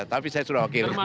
tapi saya sudah akhir